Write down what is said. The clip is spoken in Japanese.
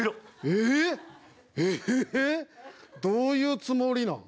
えへへどういうつもりなん？